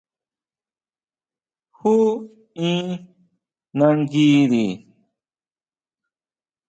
¿Jú in nanguiri?